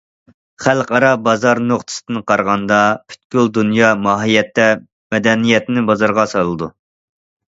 خەلقئارا بازار نۇقتىسىدىن قارىغاندا، پۈتكۈل دۇنيا ماھىيەتتە مەدەنىيەتنى بازارغا سالىدۇ.